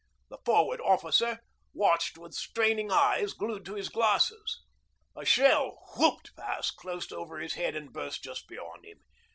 The Forward Officer watched with straining eyes glued to his glasses. A shell 'whooped' past close over his head, and burst just beyond him.